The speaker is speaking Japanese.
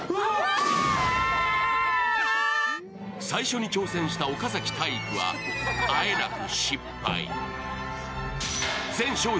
最初に挑戦した岡崎体育は、あえなく失敗。